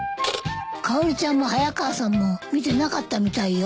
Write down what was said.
かおりちゃんも早川さんも見てなかったみたいよ。